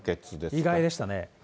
意外でした。